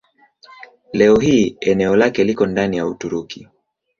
Leo hii eneo lake liko ndani ya Uturuki.